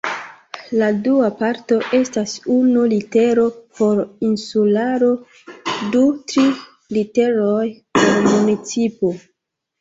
La dua parto estas unu litero por insularo du tri literoj por municipo.